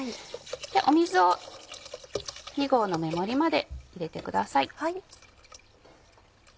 水を２合の目盛りまで入れてください。